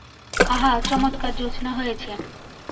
আহা, চমৎকার জ্যোৎস্না হয়েছে।